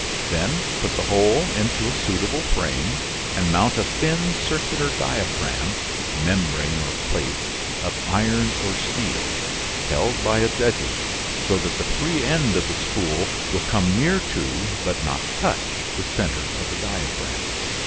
Then put the whole into a suitable frame, and mount a thin circular diaphragm (membrane or plate) of iron or steel, held by its edges, so that the free end of the spool will come near to but not touch the center of the diaphragm.